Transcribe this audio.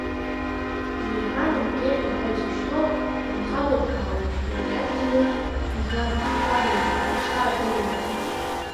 Бжеиҳан анкета ҳәа изышьҭоу анхадырҭәаауеиԥш иркьаҿӡаны, иӷар-ԥшарноуп ишаадыруа.